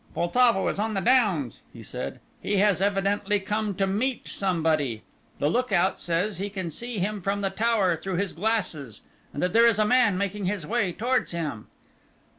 "Poltavo is on the downs," he said; "he has evidently come to meet somebody; the look out says he can see him from the tower through his glasses, and that there is a man making his way towards him."